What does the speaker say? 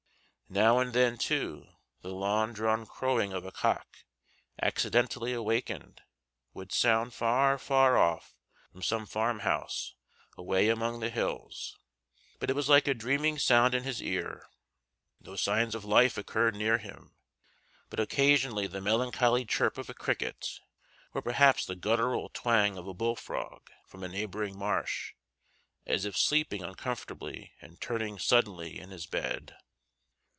Now and then, too, the long drawn crowing of a cock, accidentally awakened, would sound far, far off, from some farm house away among the hills; but it was like a dreaming sound in his ear. No signs of life occurred near him, but occasionally the melancholy chirp of a cricket, or perhaps the guttural twang of a bull frog from a neighboring marsh, as if sleeping uncomfortably and turning suddenly in his bed.